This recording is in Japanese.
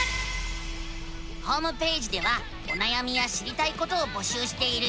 ホームページではおなやみや知りたいことを募集しているよ。